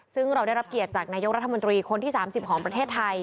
ซึ่งเราได้รับเกียรติจากนายกรัฐมนตรีคนที่๓๐ของประเทศไทย